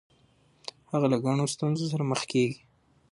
هغه له ګڼو ستونزو سره مخ کیږي.